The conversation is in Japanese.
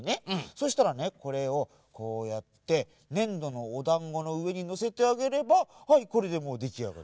そしたらねこれをこうやってねんどのおだんごのうえにのせてあげればはいこれでもうできあがり。